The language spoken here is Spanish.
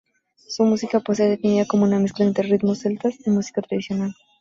Su música puede ser definida como una mezcla entre ritmos celtas y música tradicional.